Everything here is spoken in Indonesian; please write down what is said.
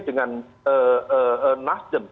tentu ini adalah pertanyaan yang sangat penting